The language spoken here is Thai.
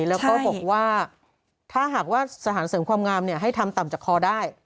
แล้วก็บอกว่าถ้าหากว่าสถานเสริมความงามให้ทำต่ำจากคอได้